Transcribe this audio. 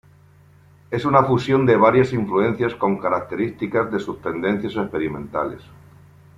Es una fusión de varias influencias con características de sus tendencias experimentales.